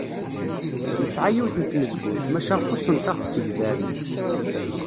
Nesɛa yiwet n tmezgunt, maca xuṣṣent-aɣ tsegbarin.